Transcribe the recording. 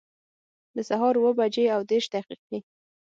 د سهار اووه بجي او دیرش دقیقي